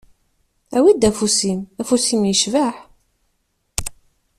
Awi-d afus-im, afus-im yecbeḥ.